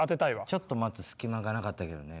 ちょっと待つ隙間がなかったけどね